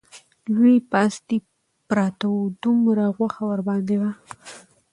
لوی پاستي پراته وو، دومره غوښه ورباندې وه